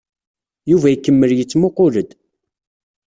Yuba ikemmel yettmuqqul-d.